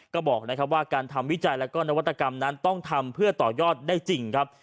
ก็บอกนะครับว่าการทำวิจัยและก็นวัตกรรมนั้นต้องทำเพื่อต่อยอดได้จริงครับ